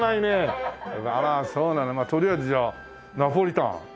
あらそうなのとりあえずじゃあナポリタン。